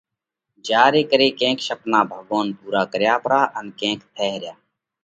جيا ري ڪري ڪينڪ شپنا ڀڳوونَ پُورا ڪرياھ پرا ان ڪينڪ ٿئھ ريا۔